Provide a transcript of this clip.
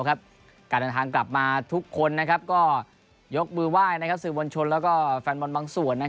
การทางกลับมาทุกคนก็ยกมือไหว้สื่อบนชนและแฟนมนต์บางส่วน